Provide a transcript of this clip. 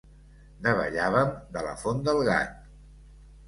Davallàvem de la Font del Gat.